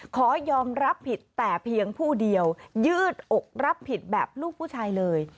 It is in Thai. ขอยอมรับผิดแต่เพียงผู้เดียวยืดอกรับผิดแบบลูกผู้ชายเลย